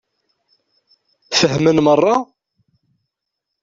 Fehmen meṛṛa?